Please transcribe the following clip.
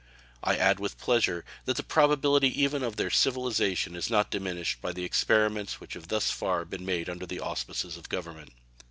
I add with pleasure that the probability even of their civilization is not diminished by the experiments which have been thus far made under the auspices of Government.